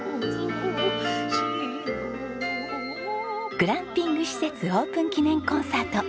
グランピング施設オープン記念コンサート。